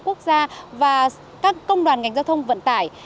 các công đoàn giao thông quốc gia và các công đoàn ngành giao thông vận tải